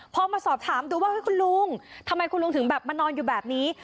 พอมาสอบถามดูว่าคุณลุงทำไมคุณลุงถึงแบบมานอนอยู่แบบนี้